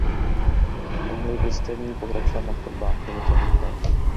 Mohli byste v ní pokračovat na chodbách, je-li to nutné.